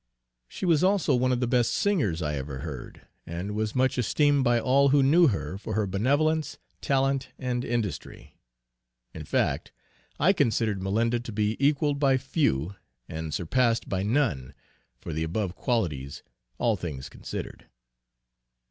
She was also one of the best singers I ever heard, and was much esteemed by all who knew her, for her benevolence, talent and industry. In fact, I considered Malinda to be equalled by few, and surpassed by none, for the above qualities, all things considered.